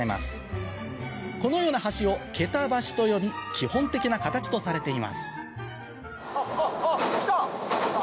このような橋を桁橋と呼び基本的な形とされていますあっあっ来た！